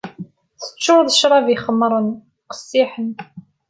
Teččur d ccrab ixemṛen, qessiḥen.